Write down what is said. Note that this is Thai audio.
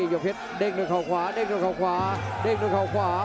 ยกเพชรเด้งด้วยเขาขวาเด้งด้วยเขาขวาเด้งด้วยเขาขวา